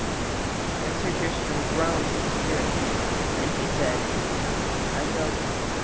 Then Sir Tristram groaned in spirit, and then he said, "I go."